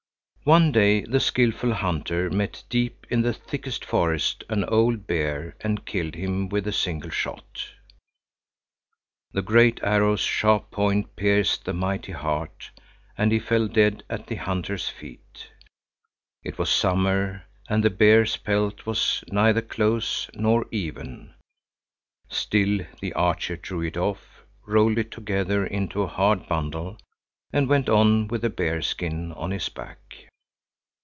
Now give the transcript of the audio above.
One day the skilful hunter met deep in the thickest forest an old bear and killed him with a single shot. The great arrow's sharp point pierced the mighty heart, and he fell dead at the hunter's feet. It was summer, and the bear's pelt was neither close nor even, still the archer drew it off, rolled it together into a hard bundle, and went on with the bear skin on his back.